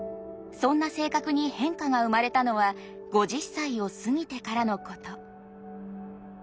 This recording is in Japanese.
そんな性格に変化が生まれたのは５０歳を過ぎてからのこと。